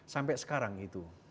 sampai sekarang itu